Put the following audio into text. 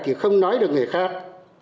thì không nói được người khác